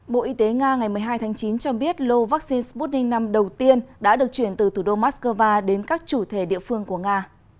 bộ y tế nga ngày một mươi hai tháng chín cho biết lô vaccine sputnik v đầu tiên đã được chuyển từ thủ đô moscow đến các chủ thể địa phương của nga